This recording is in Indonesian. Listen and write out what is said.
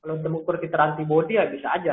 kalau untuk ukur fitur antibody ya bisa aja